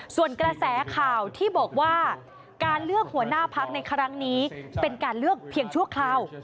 ส่วนกระแสข่าวที่บอกว่าการเลือกหัวหน้าพักในครั้งนี้เป็นการเลือกเพียงชั่วคราว